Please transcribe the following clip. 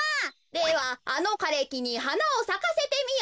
「ではあのかれきにはなをさかせてみよ」。